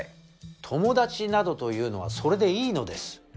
友達などというのはそれでいいのです。